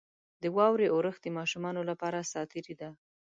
• د واورې اورښت د ماشومانو لپاره ساتیري ده.